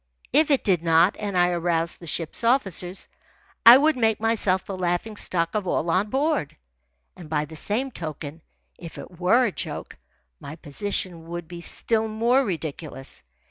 If it did not, and I aroused the ship's officers, I would make myself the laughing stock of all on board. And by the same token, if it were a joke, my position would be still more ridiculous.